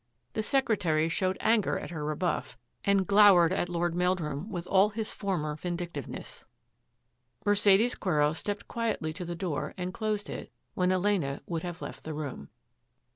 The secretary showed anger at her rebuff and glowered at Lord Meldrum with all his former vindictiveness, Mercedes Quero stepped quietly to the door and closed it when Elena would have left the room.